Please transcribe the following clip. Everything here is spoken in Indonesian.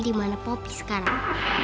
dimana popi sekarang